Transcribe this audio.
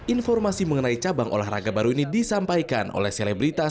informasi mengenai cabang olahraga baru ini disampaikan oleh selebritas